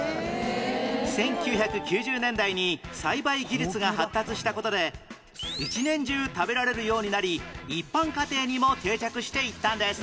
１９９０年代に栽培技術が発達した事で一年中食べられるようになり一般家庭にも定着していったんです